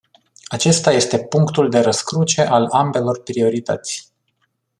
Acesta este punctul de răscruce al ambelor priorități.